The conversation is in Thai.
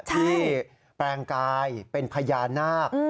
แปลงกายเป็นพญานาค